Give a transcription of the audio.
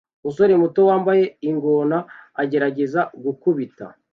Umusore muto wambaye ingona agerageza gukubita